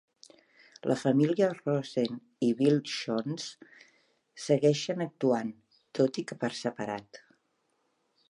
La família Rosen i Bill Shontz segueixen actuant, tot i que per separat.